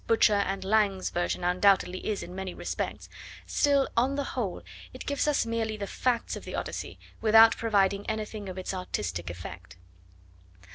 Butcher and Lang's version undoubtedly is in many respects, still, on the whole, it gives us merely the facts of the Odyssey without providing anything of its artistic effect.